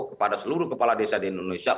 kepada seluruh kepala desa di indonesia